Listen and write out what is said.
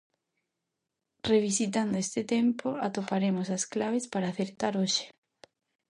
Revisitando ese tempo atoparemos as claves para acertar hoxe.